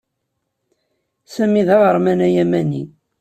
Sami d aɣerman ayamani.